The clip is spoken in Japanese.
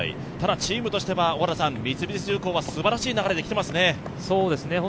ただチームとしては三菱重工はすばらしい流れで来ていますね。